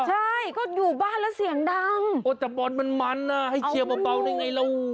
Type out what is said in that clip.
ใช่ก็อยู่บ้านแล้วเสียงดังโอ้แต่บอลมันมันอ่ะให้เชียร์เบาได้ไงเรา